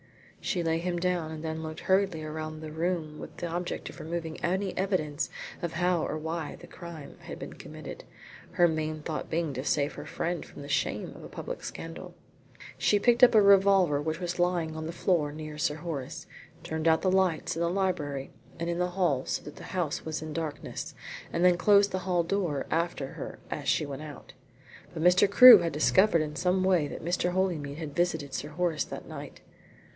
She laid him down and then looked hurriedly around the room with the object of removing any evidence of how or why the crime had been committed, her main thought being to save her friend from the shame of a public scandal. She picked up a revolver which was lying on the floor near Sir Horace, turned out the lights in the library and in the hall so that the house was in darkness, and then closed the hall door after her as she went out. But Mr. Crewe had discovered in some way that Mr. Holymead had visited Sir Horace that night.